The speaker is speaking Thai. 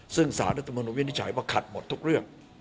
ซึ่งสารรัฐมนุนวินิจฉัยว่าขัดหมดทุกเรื่อง